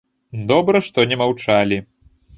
Добра, што не маўчалі.